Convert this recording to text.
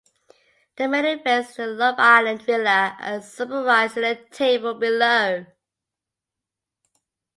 The main events in the "Love Island" villa are summarised in the table below.